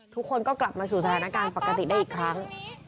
ทุกคนก็กลับมาสู่สถานการณ์ปกติได้อีกครั้ง